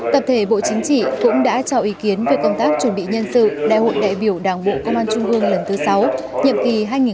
tập thể bộ chính trị cũng đã trao ý kiến về công tác chuẩn bị nhân sự đại hội đại biểu đảng bộ công an trung hương lần thứ sáu nhiệm kỳ hai nghìn một mươi năm hai nghìn hai mươi